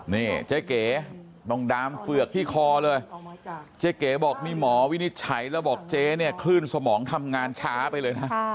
นี่เจ๊เก๋ต้องดามเฝือกที่คอเลยเจ๊เก๋บอกนี่หมอวินิจฉัยแล้วบอกเจ๊เนี่ยคลื่นสมองทำงานช้าไปเลยนะ